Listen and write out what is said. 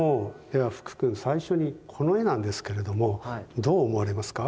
では福くん最初にこの絵なんですけれどもどう思われますか？